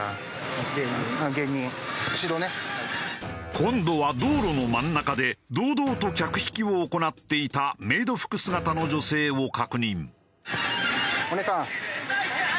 今度は道路の真ん中で堂々と客引きを行っていたメイド服姿の女性を確認。